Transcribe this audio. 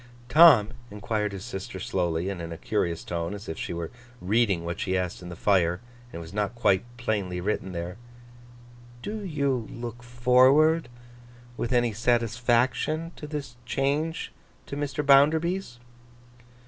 'Tom,' enquired his sister, slowly, and in a curious tone, as if she were reading what she asked in the fire, and it was not quite plainly written there, 'do you look forward with any satisfaction to this change to Mr. Bounderby's?